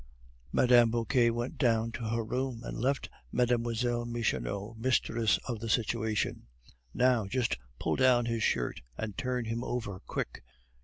Mme. Vauquer went down to her room, and left Mlle. Michonneau mistress of the situation. "Now! just pull down his shirt and turn him over, quick!